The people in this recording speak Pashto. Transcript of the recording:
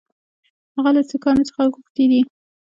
هغه له سیکهانو څخه غوښتي دي.